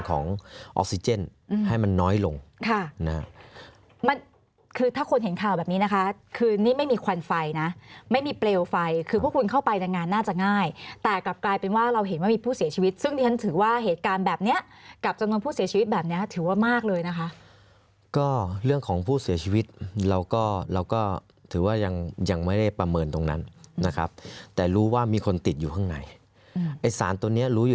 ค่ะมันคือถ้าคนเห็นข่าวแบบนี้นะคะคือนี่ไม่มีควันไฟนะไม่มีเปลวไฟคือพวกคุณเข้าไปดังงานน่าจะง่ายแต่กลับกลายเป็นว่าเราเห็นว่ามีผู้เสียชีวิตซึ่งที่ฉันถือว่าเหตุการณ์แบบเนี้ยกับจำนวนผู้เสียชีวิตแบบเนี้ยถือว่ามากเลยนะคะก็เรื่องของผู้เสียชีวิตเราก็เราก็ถือว่ายังยังไม่ได้ประเมินตรงน